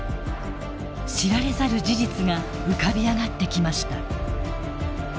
知られざる事実が浮かび上がってきました。